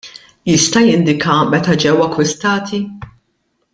Jista' jindika meta ġew akkwistati?